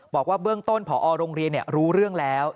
บอกว่าเบื้องต้นผอโรงเรียนรู้เรื่องแล้ว